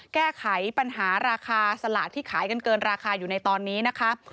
แก้ไขปัญหาราคาสลากที่ขายกันเกินราคาอยู่ในตอนนี้นะคะ